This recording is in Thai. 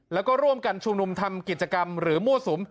แล้วก็ร่วมกันชุมนุมทำกิจกรรมหรือมั่วสุม